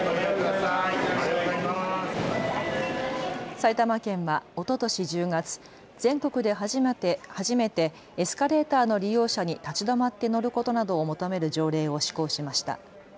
埼玉県はおととし１０月、全国で初めてエスカレーターの利用者に立ち止まって乗ることなどを求める条例を施行しました。